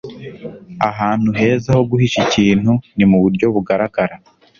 ahantu heza ho guhisha ikintu ni muburyo bugaragara